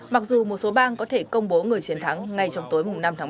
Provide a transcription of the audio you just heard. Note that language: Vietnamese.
mặc dù một số bang có thể công bố người chiến thắng ngay trong tối mùng năm tháng ba